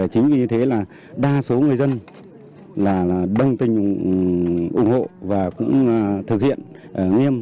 chính vì thế là đa số người dân đông tình ủng hộ và cũng thực hiện nghiêm